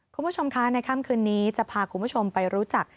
คุณผู้ชมคะในค่ำคืนนี้จะพาคุณผู้ชมไปรู้จัก